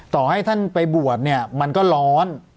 ต่อให้ท่านไปบวชเนี่ยมันก็ร้อน